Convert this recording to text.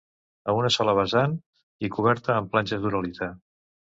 A una sola vessant i cobert en planxes d'uralita.